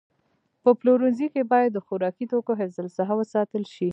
په پلورنځي کې باید د خوراکي توکو حفظ الصحه وساتل شي.